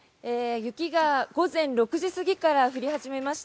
雪が午前６時過ぎから降り始めました。